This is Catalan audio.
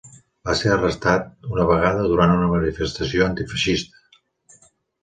Va ser arrestat una vegada durant una manifestació antifeixista.